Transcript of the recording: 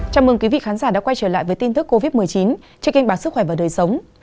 chào mừng quý vị khán giả đã quay trở lại với tin thức covid một mươi chín trên kênh bản sức khỏe và đời sống